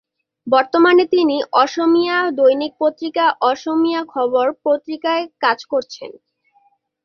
বর্তমানে তিনি অসমীয়া দৈনিক পত্রিকা অসমীয়া খবর পত্রিকায় কাজ করছেন।